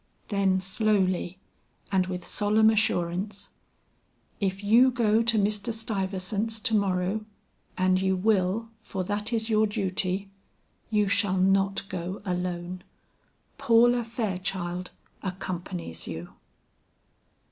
Then slowly and with solemn assurance, "If you go to Mr. Stuyvesant's to morrow, and you will, for that is your duty, you shall not go alone; Paula Fairchild accompanies you."